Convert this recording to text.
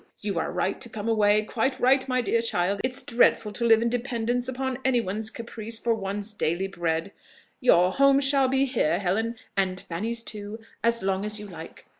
You are right to come away, quite right, my dear child: it's dreadful to live in dependence upon any one's caprice for one's daily bread! Your home shall be here, Helen, and Fanny's too, as long as you like.